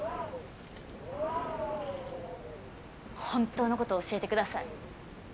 本当のことを教えて下さい。